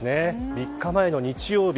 ３日前の日曜日。